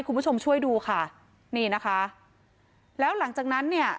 คุณผู้ชมช่วยดูค่ะนี่นะคะแล้วหลังจากนั้นเนี่ย